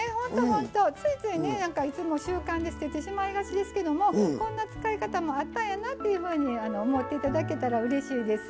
ついつい習慣で捨ててしまいがちですけどこんな使い方もあったんやなっていうふうに思っていただけたらうれしいです。